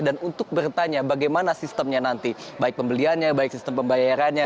dan untuk bertanya bagaimana sistemnya nanti baik pembeliannya baik sistem pembayarannya